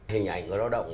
hình ảnh người lao động